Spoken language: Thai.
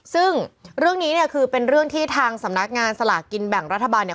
ซึ่งเรื่องนี้เนี่ยคือเป็นเรื่องที่ทางสำนักงานสลากกินแบ่งรัฐบาลเนี่ย